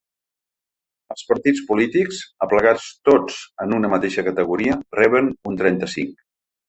Els partits polítics, aplegats tots en una mateixa categoria, reben un trenta-cinc.